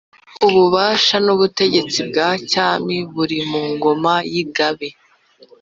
ububasha n'ubutegetsi bwa cyami buri mu ngoma y'ingabe